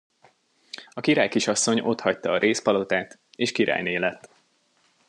A királykisasszony otthagyta a rézpalotát, és királyné lett.